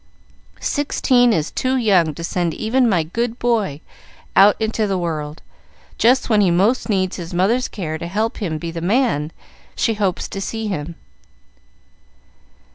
Sixteen is too young to send even my good boy out into the world, just when he most needs his mother's care to help him be the man she hopes to see him."